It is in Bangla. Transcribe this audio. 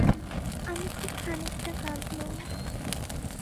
আমি খুব খানিকটা কাঁদলুম।